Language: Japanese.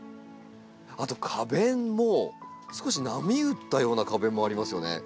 あと花弁も少し波打ったような花弁もありますよねこちら。